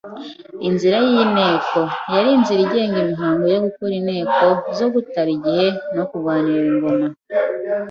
Inzira y’inteko: yari inzira igenga imihango yo gukora inteko zo gutara igihe yo kurwanirira ingoma